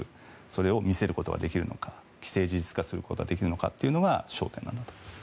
それを見せることができるのか既成事実化することができるのかというのが焦点なんだと思います。